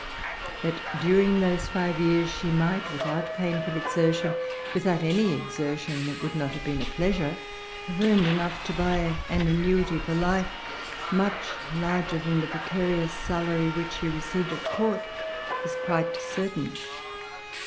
That during those five years she might, without painful exertion, without any exertion that would not have been a pleasure, have earned enough to buy an annuity for life much larger than the precarious salary which she received at court, is quite certain.